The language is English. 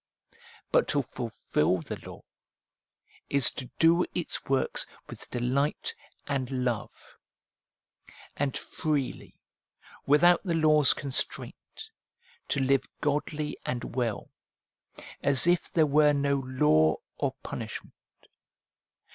But to fulfil the law is to do its works with delight and love ; and freely, without the law's constraint, to live godly and well, as if there were no law or punishment.